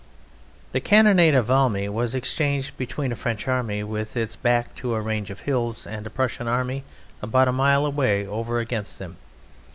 The cannonade of Valmy was exchanged between a French Army with its back to a range of hills and a Prussian Army about a mile away over against them.